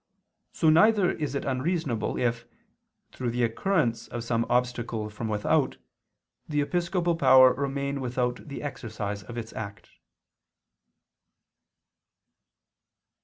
So neither is it unreasonable if, through the occurrence of some obstacle from without, the episcopal power remain without the exercise of its act.